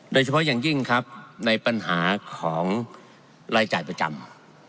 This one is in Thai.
โดยเฉพาะอย่างยิ่งครับในปัญหาของรายจ่ายประจำ